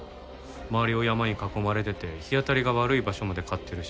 周りを山に囲まれてて日当たりが悪い場所まで買ってるし。